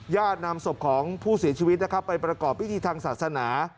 นำศพของผู้เสียชีวิตนะครับไปประกอบพิธีทางศาสนา